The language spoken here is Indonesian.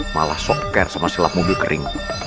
malah soker sama silap mobil kering